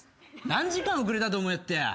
何時間遅れたと思いよってや。